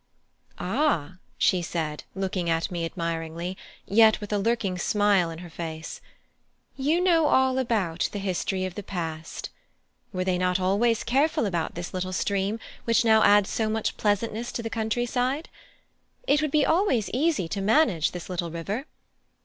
"Ah!" she said, looking at me admiringly, yet with a lurking smile in her face, "you know all about the history of the past. Were they not always careful about this little stream which now adds so much pleasantness to the country side? It would always be easy to manage this little river.